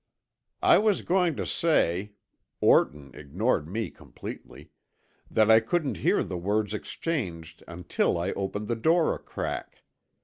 "I was going to say," Orton ignored me completely, "that I couldn't hear the words exchanged until I opened the door a crack.